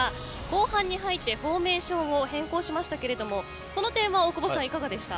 後半に入ってフォーメーションを変更しましたけれどもその点は大久保さんいかがでした。